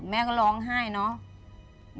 แม่ก็ร้องไห้เนาะ